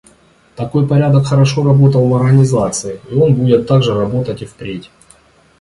Такой порядок хорошо работал в Организации, и он будет так же работать и впредь.